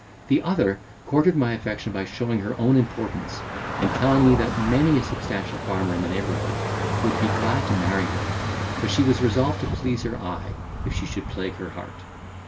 The other courted my affection by showing her own importance, and telling me that many a substantial farmer in the neighbourhood would be glad to marry her, but she was resolved to please her eye, if she should plague her heart.